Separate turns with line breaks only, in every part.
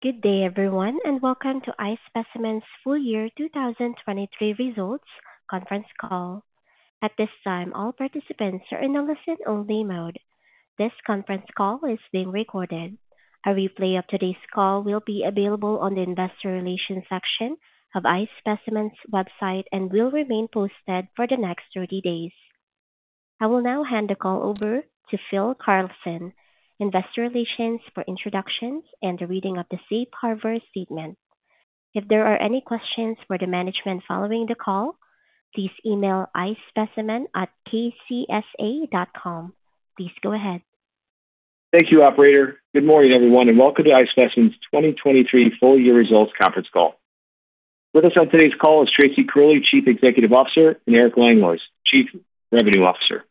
Good day everyone, and welcome to iSpecimen's full-year 2023 results conference call. At this time, all participants are in a listen-only mode. This conference call is being recorded. A replay of today's call will be available on the investor relations section of iSpecimen's website and will remain posted for the next 30 days. I will now hand the call over to Phil Carlson, investor relations, for introductions and the reading of the Safe Harbor statement. If there are any questions for the management following the call, please email iSpecimen@kcsa.com. Please go ahead.
Thank you, operator. Good morning everyone, and welcome to iSpecimen's 2023 full-year results conference call. With us on today's call is Tracy Curley, Chief Executive Officer, and Eric Langlois, Chief Revenue Officer.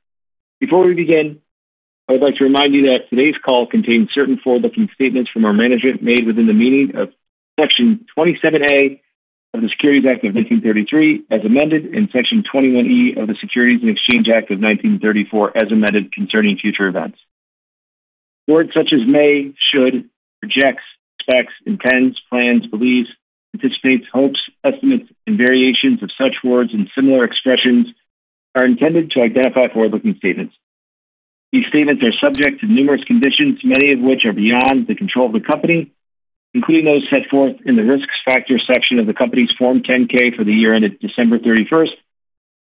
Before we begin, I would like to remind you that today's call contains certain forward-looking statements from our management made within the meaning of Section 27A of the Securities Act of 1933 as amended and Section 21E of the Securities and Exchange Act of 1934 as amended concerning future events. Words such as may, should, projects, expects, intends, plans, believes, anticipates, hopes, estimates, and variations of such words and similar expressions are intended to identify forward-looking statements. These statements are subject to numerous conditions, many of which are beyond the control of the company, including those set forth in the Risk Factors section of the company's Form 10-K for the year ended December 31st,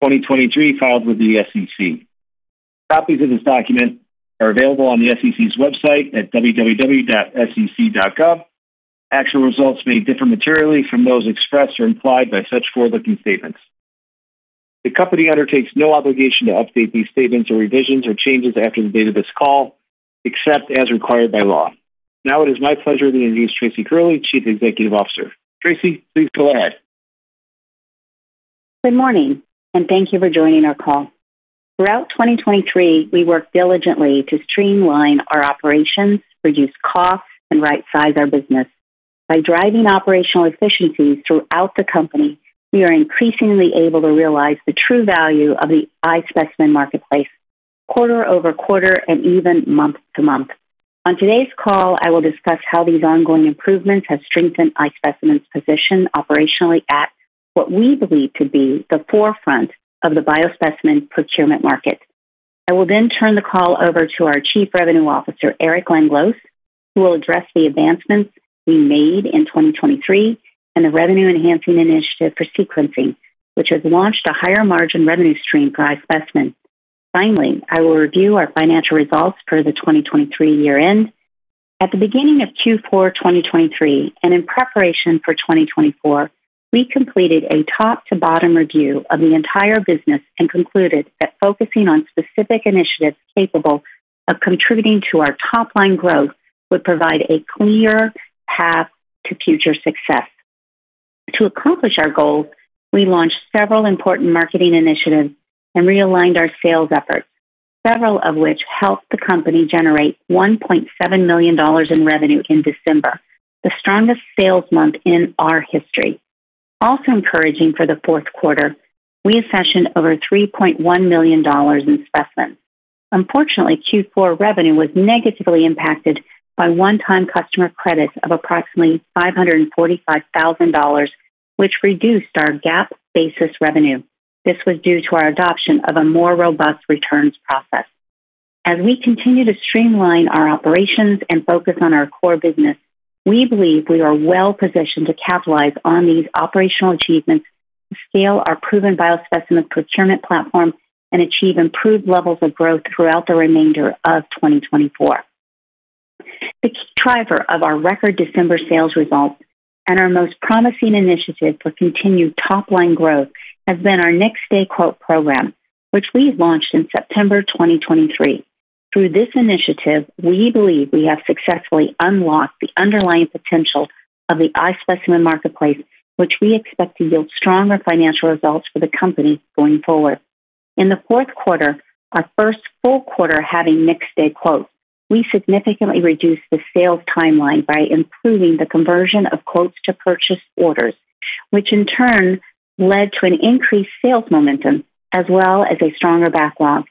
2023, filed with the SEC. Copies of this document are available on the SEC's website at www.sec.gov. Actual results may differ materially from those expressed or implied by such forward-looking statements. The company undertakes no obligation to update these statements or revisions or changes after the date of this call, except as required by law. Now it is my pleasure to introduce Tracy Curley, Chief Executive Officer. Tracy, please go ahead.
Good morning, and thank you for joining our call. Throughout 2023, we worked diligently to streamline our operations, reduce costs, and right-size our business. By driving operational efficiencies throughout the company, we are increasingly able to realize the true value of the iSpecimen Marketplace, quarter over quarter and even month to month. On today's call, I will discuss how these ongoing improvements have strengthened iSpecimen's position operationally at what we believe to be the forefront of the biospecimen procurement market. I will then turn the call over to our Chief Revenue Officer, Eric Langlois, who will address the advancements we made in 2023 and the Revenue Enhancing Initiative for sequencing, which has launched a higher margin revenue stream for iSpecimen. Finally, I will review our financial results per the 2023 year-end. At the beginning of Q4 2023 and in preparation for 2024, we completed a top-to-bottom review of the entire business and concluded that focusing on specific initiatives capable of contributing to our top-line growth would provide a clearer path to future success. To accomplish our goals, we launched several important marketing initiatives and realigned our sales efforts, several of which helped the company generate $1.7 million in revenue in December, the strongest sales month in our history. Also encouraging for the fourth quarter, we accessioned over $3.1 million in specimens. Unfortunately, Q4 revenue was negatively impacted by one-time customer credits of approximately $545,000, which reduced our GAAP revenue. This was due to our adoption of a more robust returns process. As we continue to streamline our operations and focus on our core business, we believe we are well positioned to capitalize on these operational achievements, scale our proven biospecimen procurement platform, and achieve improved levels of growth throughout the remainder of 2024. The key driver of our record December sales results and our most promising initiative for continued top-line growth has been our Next Day Quote program, which we launched in September 2023. Through this initiative, we believe we have successfully unlocked the underlying potential of the iSpecimen Marketplace, which we expect to yield stronger financial results for the company going forward. In the fourth quarter, our first full quarter having Next Day Quotes, we significantly reduced the sales timeline by improving the conversion of quotes to purchase orders, which in turn led to an increased sales momentum as well as a stronger backlog.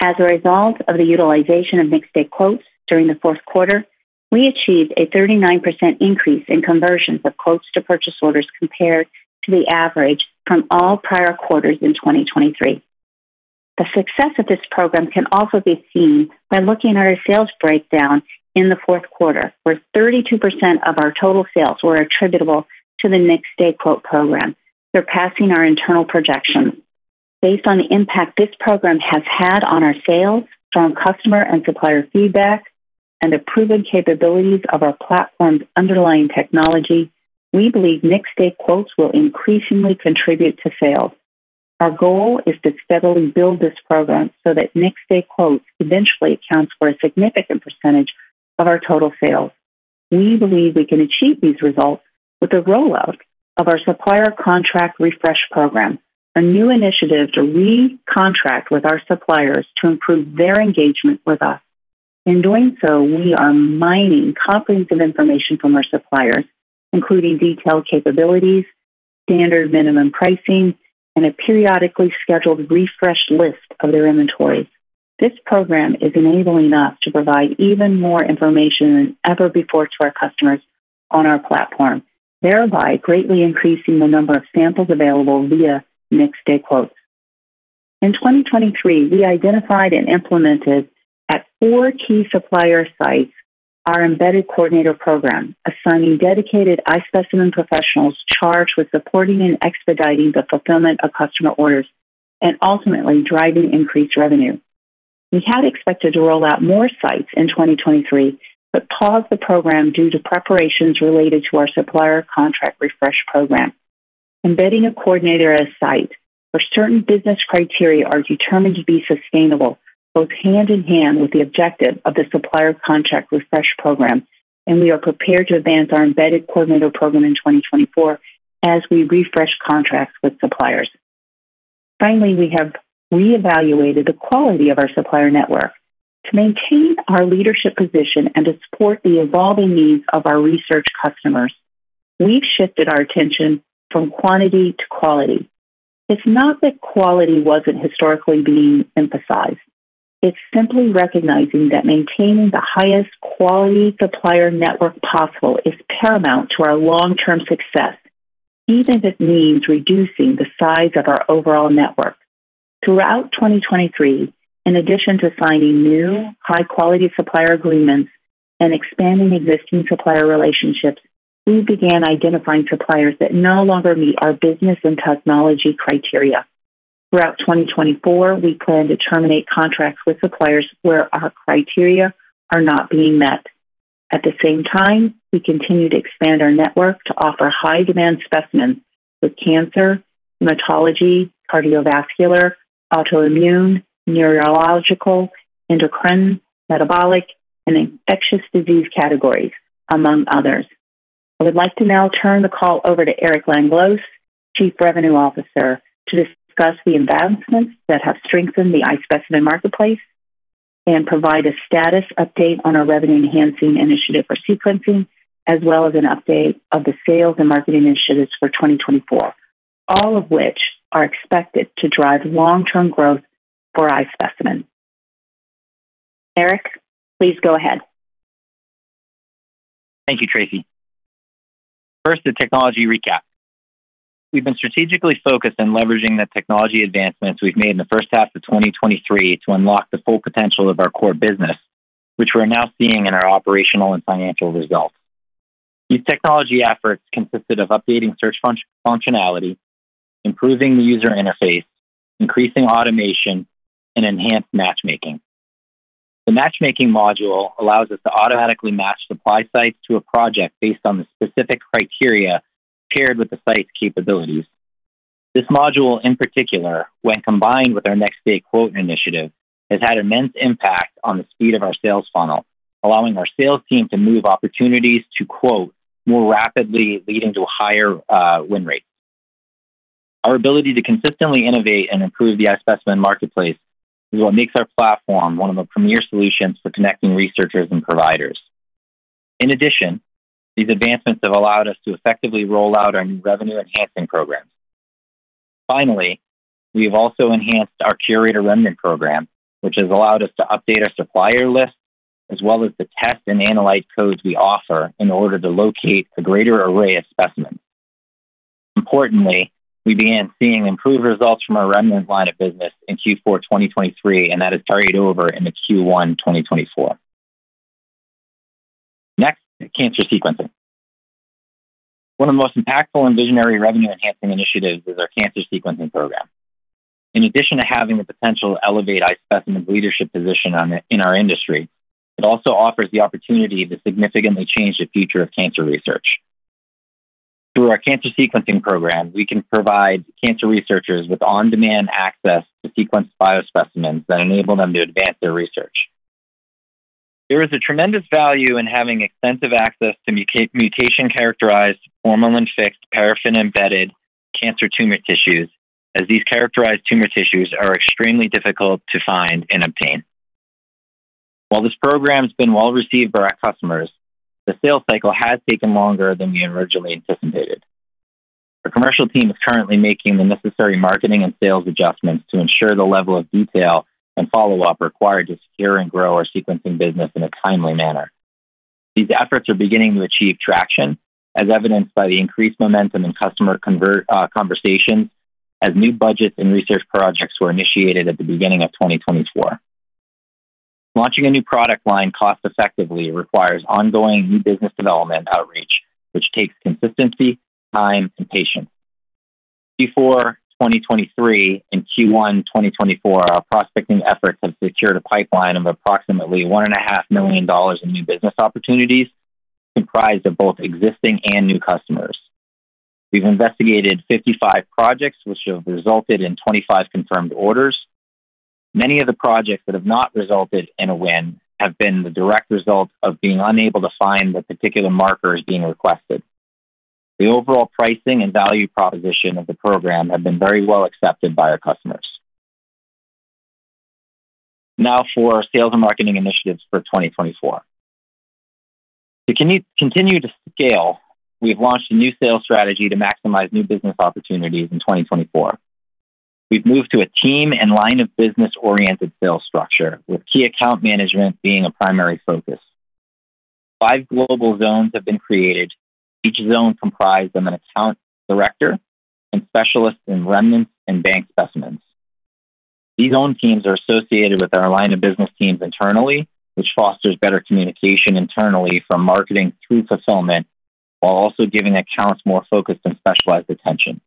As a result of the utilization of Next Day Quotes during the fourth quarter, we achieved a 39% increase in conversions of quotes to purchase orders compared to the average from all prior quarters in 2023. The success of this program can also be seen by looking at our sales breakdown in the fourth quarter, where 32% of our total sales were attributable to the Next Day Quote program, surpassing our internal projections. Based on the impact this program has had on our sales, strong customer and supplier feedback, and the proven capabilities of our platform's underlying technology, we believe Next Day Quotes will increasingly contribute to sales. Our goal is to steadily build this program so that Next Day Quotes eventually accounts for a significant percentage of our total sales. We believe we can achieve these results with the rollout of our Supplier Contract Refresh Program, a new initiative to re-contract with our suppliers to improve their engagement with us. In doing so, we are mining comprehensive information from our suppliers, including detailed capabilities, standard minimum pricing, and a periodically scheduled refreshed list of their inventories. This program is enabling us to provide even more information than ever before to our customers on our platform, thereby greatly increasing the number of samples available via Next Day Quotes. In 2023, we identified and implemented at four key supplier sites our Embedded Coordinator Program, assigning dedicated iSpecimen professionals charged with supporting and expediting the fulfillment of customer orders and ultimately driving increased revenue. We had expected to roll out more sites in 2023 but paused the program due to preparations related to our Supplier Contract Refresh Program. Embedding a coordinator at a site where certain business criteria are determined to be sustainable goes hand in hand with the objective of the Supplier Contract Refresh Program, and we are prepared to advance our Embedded Coordinator Program in 2024 as we refresh contracts with suppliers. Finally, we have reevaluated the quality of our supplier network. To maintain our leadership position and to support the evolving needs of our research customers, we've shifted our attention from quantity to quality. It's not that quality wasn't historically being emphasized. It's simply recognizing that maintaining the highest quality supplier network possible is paramount to our long-term success, even if it means reducing the size of our overall network. Throughout 2023, in addition to signing new high-quality supplier agreements and expanding existing supplier relationships, we began identifying suppliers that no longer meet our business and technology criteria. Throughout 2024, we planned to terminate contracts with suppliers where our criteria are not being met. At the same time, we continue to expand our network to offer high-demand specimens with cancer, hematology, cardiovascular, autoimmune, neurological, endocrine, metabolic, and infectious disease categories, among others. I would like to now turn the call over to Eric Langlois, Chief Revenue Officer, to discuss the advancements that have strengthened the iSpecimen Marketplace and provide a status update on our Revenue Enhancing Initiative for sequencing, as well as an update of the sales and marketing initiatives for 2024, all of which are expected to drive long-term growth for iSpecimen. Eric, please go ahead.
Thank you, Tracy. First, a technology recap. We've been strategically focused on leveraging the technology advancements we've made in the first half of 2023 to unlock the full potential of our core business, which we're now seeing in our operational and financial results. These technology efforts consisted of updating search functionality, improving the user interface, increasing automation, and enhanced matchmaking. The matchmaking module allows us to automatically match supply sites to a project based on the specific criteria paired with the site's capabilities. This module, in particular, when combined with our Next Day Quote initiative, has had immense impact on the speed of our sales funnel, allowing our sales team to move opportunities to quote more rapidly, leading to higher win rates. Our ability to consistently innovate and improve the iSpecimen Marketplace is what makes our platform one of the premier solutions for connecting researchers and providers. In addition, these advancements have allowed us to effectively roll out our new Revenue Enhancing Programs. Finally, we have also enhanced our Curated Remnant Program, which has allowed us to update our supplier list as well as the test and analyte codes we offer in order to locate a greater array of specimens. Importantly, we began seeing improved results from our remnant line of business in Q4 2023, and that has carried over into Q1 2024. Next, cancer sequencing. One of the most impactful and visionary Revenue Enhancing Initiatives is our Cancer Sequencing Program. In addition to having the potential to elevate iSpecimen's leadership position in our industry, it also offers the opportunity to significantly change the future of cancer research. Through our Cancer Sequencing Program, we can provide cancer researchers with on-demand access to sequenced biospecimens that enable them to advance their research. There is a tremendous value in having extensive access to mutation-characterized formalin-fixed paraffin-embedded cancer tumor tissues, as these characterized tumor tissues are extremely difficult to find and obtain. While this program has been well received by our customers, the sales cycle has taken longer than we originally anticipated. Our commercial team is currently making the necessary marketing and sales adjustments to ensure the level of detail and follow-up required to secure and grow our sequencing business in a timely manner. These efforts are beginning to achieve traction, as evidenced by the increased momentum in customer conversations as new budgets and research projects were initiated at the beginning of 2024. Launching a new product line cost-effectively requires ongoing new business development outreach, which takes consistency, time, and patience. Q4 2023 and Q1 2024, our prospecting efforts have secured a pipeline of approximately $1.5 million in new business opportunities comprised of both existing and new customers. We've investigated 55 projects, which have resulted in 25 confirmed orders. Many of the projects that have not resulted in a win have been the direct result of being unable to find the particular marker being requested. The overall pricing and value proposition of the program have been very well accepted by our customers. Now for our sales and marketing initiatives for 2024. To continue to scale, we've launched a new sales strategy to maximize new business opportunities in 2024. We've moved to a team and line-of-business-oriented sales structure, with key account management being a primary focus. Five global zones have been created. Each zone comprised of an account director and specialists in remnants and bank specimens. These own teams are associated with our line of business teams internally, which fosters better communication internally from marketing through fulfillment while also giving accounts more focused and specialized attention.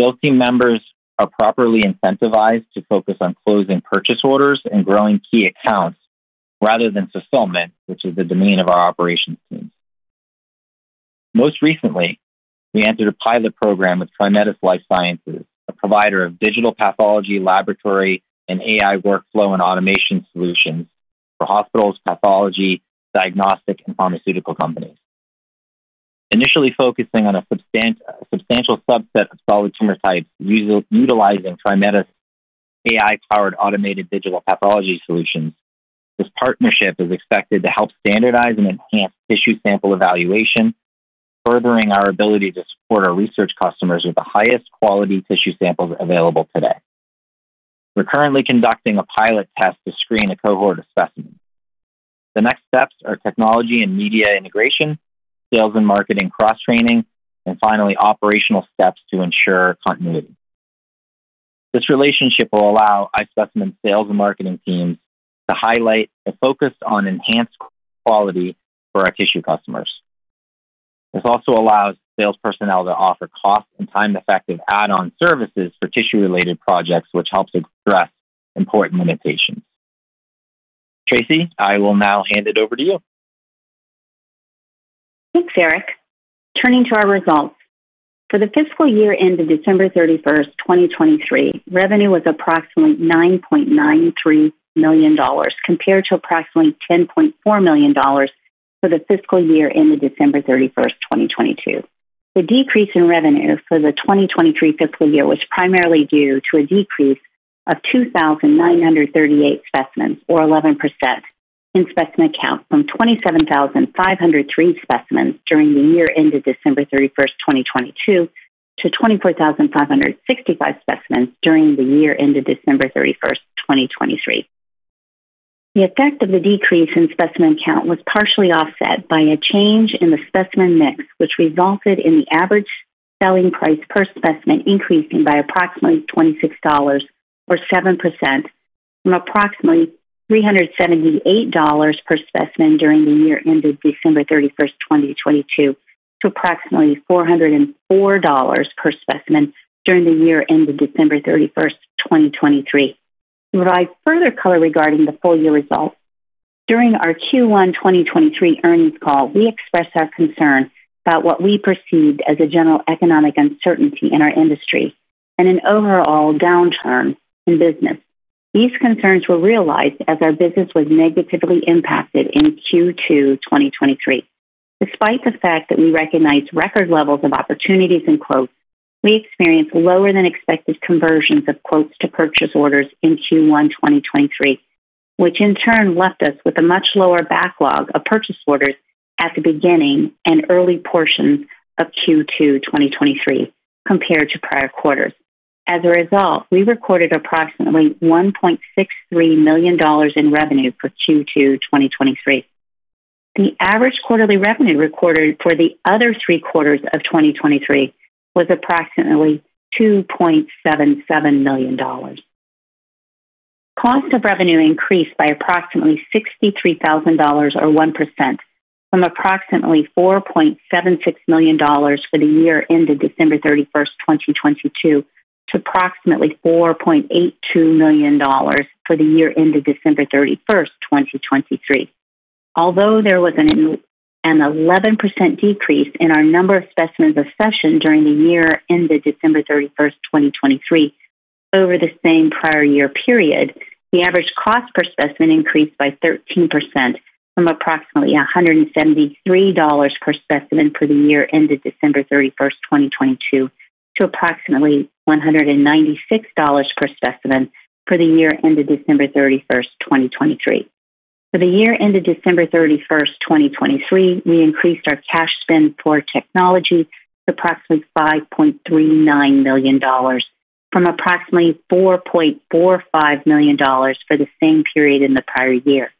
Sales team members are properly incentivized to focus on closing purchase orders and growing key accounts rather than fulfillment, which is the domain of our operations teams. Most recently, we entered a pilot program with TriMetis Life Sciences, a provider of digital pathology laboratory and AI workflow and automation solutions for hospitals, pathology, diagnostic, and pharmaceutical companies. Initially focusing on a substantial subset of solid tumor types utilizing TriMetis AI-powered automated digital pathology solutions, this partnership is expected to help standardize and enhance tissue sample evaluation, furthering our ability to support our research customers with the highest quality tissue samples available today. We're currently conducting a pilot test to screen a cohort of specimens. The next steps are technology and media integration, sales and marketing cross-training, and finally operational steps to ensure continuity. This relationship will allow iSpecimen's sales and marketing teams to highlight a focus on enhanced quality for our tissue customers. This also allows sales personnel to offer cost-and-time-effective add-on services for tissue-related projects, which helps address important limitations. Tracy, I will now hand it over to you.
Thanks, Eric. Turning to our results. For the fiscal year ending December 31st, 2023, revenue was approximately $9.93 million compared to approximately $10.4 million for the fiscal year ending December 31st, 2022. The decrease in revenue for the 2023 fiscal year was primarily due to a decrease of 2,938 specimens, or 11%, in specimen count from 27,503 specimens during the year ending December 31st, 2022, to 24,565 specimens during the year ending December 31st, 2023. The effect of the decrease in specimen count was partially offset by a change in the specimen mix, which resulted in the average selling price per specimen increasing by approximately $26, or 7%, from approximately $378 per specimen during the year ending December 31st, 2022, to approximately $404 per specimen during the year ending December 31st, 2023. To provide further color regarding the full-year results, during our Q1 2023 earnings call, we expressed our concern about what we perceived as a general economic uncertainty in our industry and an overall downturn in business. These concerns were realized as our business was negatively impacted in Q2 2023. Despite the fact that we recognized record levels of opportunities in quotes, we experienced lower-than-expected conversions of quotes to purchase orders in Q1 2023, which in turn left us with a much lower backlog of purchase orders at the beginning and early portions of Q2 2023 compared to prior quarters. As a result, we recorded approximately $1.63 million in revenue for Q2 2023. The average quarterly revenue recorded for the other three quarters of 2023 was approximately $2.77 million. Cost of revenue increased by approximately $63,000, or 1%, from approximately $4.76 million for the year ending December 31st, 2022, to approximately $4.82 million for the year ending December 31st, 2023. Although there was an 11% decrease in our number of specimens accessioned during the year ending December 31st, 2023, over the same prior year period, the average cost per specimen increased by 13% from approximately $173 per specimen for the year ending December 31st, 2022, to approximately $196 per specimen for the year ending December 31st, 2023. For the year ending December 31st, 2023, we increased our cash spend for technology to approximately $5.39 million from approximately $4.45 million for the same period in the prior year.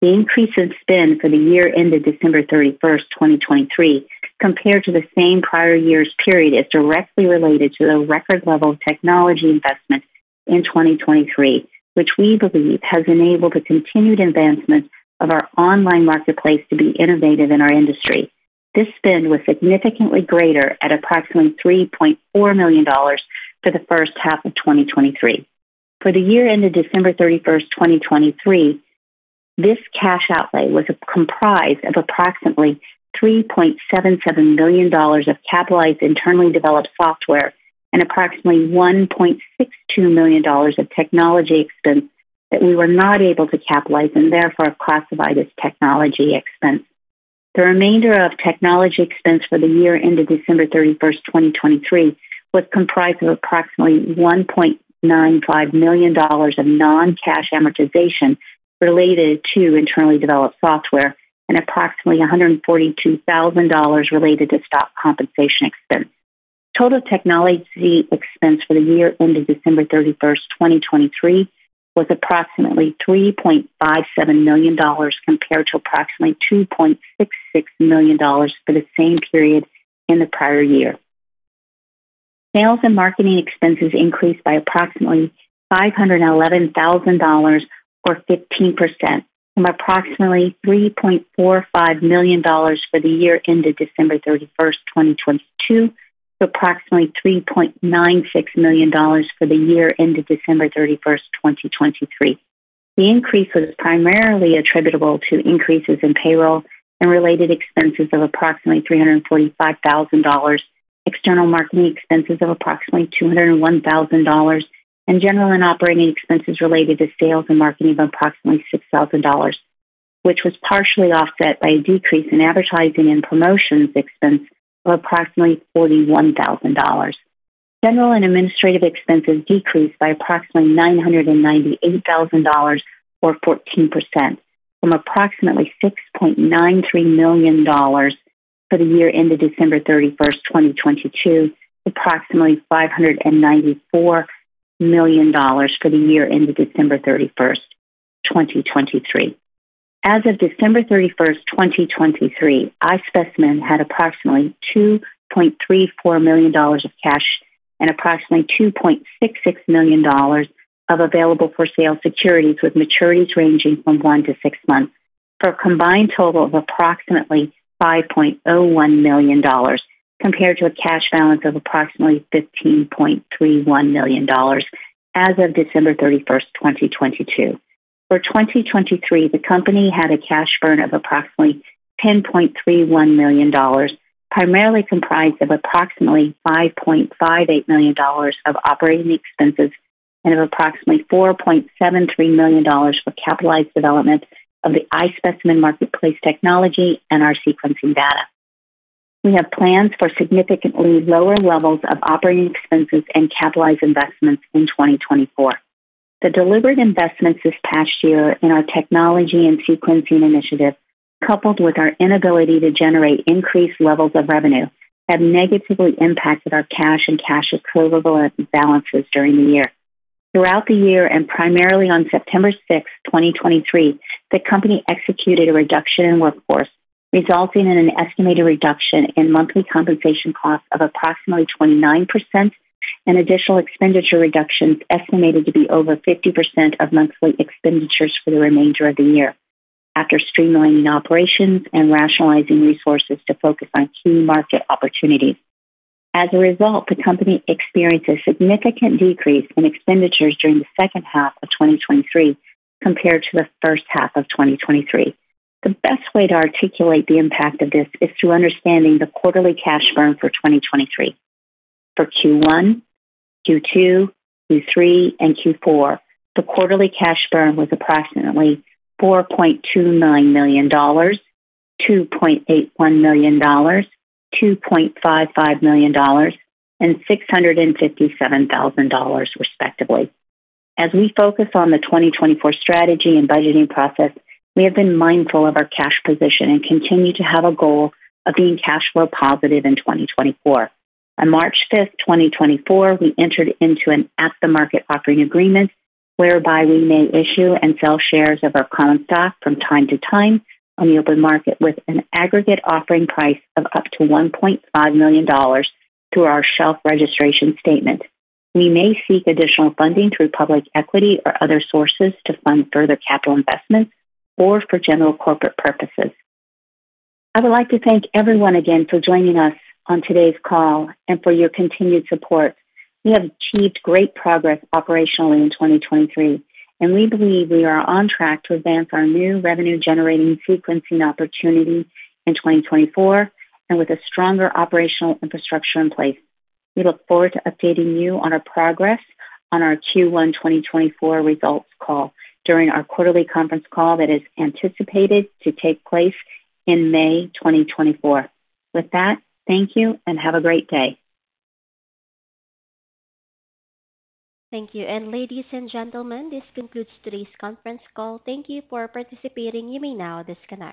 The increase in spend for the year ending December 31st, 2023, compared to the same prior year's period, is directly related to the record level of technology investment in 2023, which we believe has enabled the continued advancement of our online marketplace to be innovative in our industry. This spend was significantly greater at approximately $3.4 million for the first half of 2023. For the year ending December 31st, 2023, this cash outlay was comprised of approximately $3.77 million of capitalized internally developed software and approximately $1.62 million of technology expense that we were not able to capitalize and therefore classified as technology expense. The remainder of technology expense for the year ending December 31st, 2023, was comprised of approximately $1.95 million of non-cash amortization related to internally developed software and approximately $142,000 related to stock compensation expense. Total technology expense for the year ending December 31st, 2023, was approximately $3.57 million compared to approximately $2.66 million for the same period in the prior year. Sales and marketing expenses increased by approximately $511,000, or 15%, from approximately $3.45 million for the year ending December 31st, 2022, to approximately $3.96 million for the year ending December 31st, 2023. The increase was primarily attributable to increases in payroll and related expenses of approximately $345,000, external marketing expenses of approximately $201,000, and general and operating expenses related to sales and marketing of approximately $6,000, which was partially offset by a decrease in advertising and promotions expense of approximately $41,000. General and administrative expenses decreased by approximately $998,000, or 14%, from approximately $6.93 million for the year ending December 31st, 2022, to approximately $5.94 million for the year ending December 31st, 2023. As of December 31st, 2023, iSpecimen had approximately $2.34 million of cash and approximately $2.66 million of available-for-sale securities with maturities ranging from one to six months for a combined total of approximately $5.01 million compared to a cash balance of approximately $15.31 million as of December 31st, 2022. For 2023, the company had a cash burn of approximately $10.31 million, primarily comprised of approximately $5.58 million of operating expenses and of approximately $4.73 million for capitalized development of the iSpecimen marketplace technology and our sequencing data. We have plans for significantly lower levels of operating expenses and capitalized investments in 2024. The deliberate investments this past year in our technology and sequencing initiative, coupled with our inability to generate increased levels of revenue, have negatively impacted our cash and cash equivalent balances during the year. Throughout the year and primarily on September 6th, 2023, the company executed a reduction in workforce, resulting in an estimated reduction in monthly compensation costs of approximately 29% and additional expenditure reductions estimated to be over 50% of monthly expenditures for the remainder of the year after streamlining operations and rationalizing resources to focus on key market opportunities. As a result, the company experienced a significant decrease in expenditures during the second half of 2023 compared to the first half of 2023. The best way to articulate the impact of this is through understanding the quarterly cash burn for 2023. For Q1, Q2, Q3, and Q4, the quarterly cash burn was approximately $4.29 million, $2.81 million, $2.55 million, and $657,000, respectively. As we focus on the 2024 strategy and budgeting process, we have been mindful of our cash position and continue to have a goal of being cash flow positive in 2024. On March 5th, 2024, we entered into an at-the-market offering agreement whereby we may issue and sell shares of our common stock from time to time on the open market with an aggregate offering price of up to $1.5 million through our shelf registration statement. We may seek additional funding through public equity or other sources to fund further capital investments or for general corporate purposes. I would like to thank everyone again for joining us on today's call and for your continued support. We have achieved great progress operationally in 2023, and we believe we are on track to advance our new revenue-generating sequencing opportunity in 2024 and with a stronger operational infrastructure in place. We look forward to updating you on our progress on our Q1 2024 results call during our quarterly conference call that is anticipated to take place in May 2024. With that, thank you and have a great day.
Thank you. Ladies and gentlemen, this concludes today's conference call. Thank you for participating. You may now disconnect.